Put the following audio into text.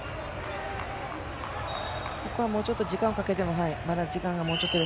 ここはもうちょっと時間をかけても。